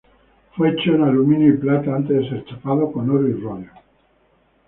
Fue hecho en aluminio y plata antes de ser chapado con oro y rodio.